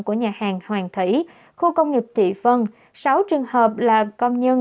của nhà hàng hoàng thủy khu công nghiệp thụy vân sáu trường hợp là công nhân